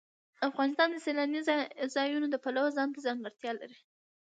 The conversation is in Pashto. افغانستان د سیلانی ځایونه د پلوه ځانته ځانګړتیا لري.